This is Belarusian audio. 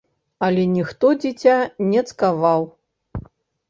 Але ніхто дзіця не цкаваў.